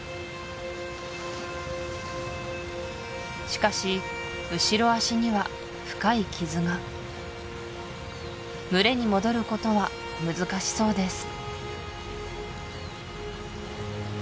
しかし後ろ足には深い傷が群れに戻ることは難しそうです